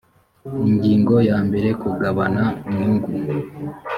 ingingo yambere kugabana inyungu